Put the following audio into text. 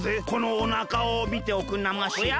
このおなかをみておくんなまし。